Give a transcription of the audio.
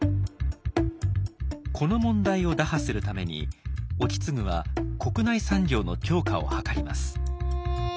この問題を打破するために意次は国内産業の強化を図ります。